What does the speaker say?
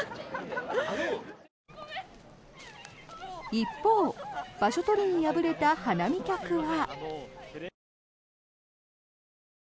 一方、場所取りに敗れた花見客は。